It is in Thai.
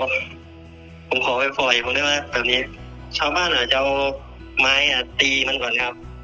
ผมขอไปปล่อยผมได้ว่าแบบนี้ชาวบ้านอาจจะเอาไม้อ่ะตีมันก่อนครับ